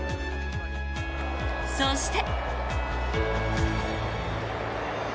そして。